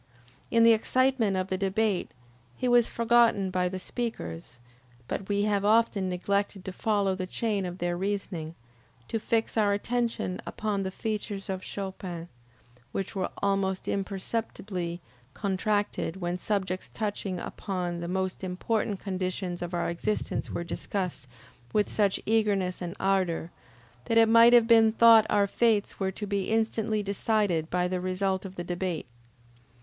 In the excitement of the debate he was forgotten by the speakers, but we have often neglected to follow the chain of their reasoning, to fix our attention upon the features of Chopin, which were almost imperceptibly contracted when subjects touching upon the most important conditions of our existence were discussed with such eagerness and ardor, that it might have been thought our fates were to be instantly decided by the result of the debate.